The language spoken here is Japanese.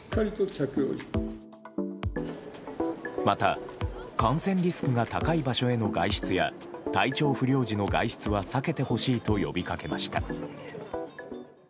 また感染リスクが高い場所への外出や体調不良時の外出は避けてほしいと呼びかけました。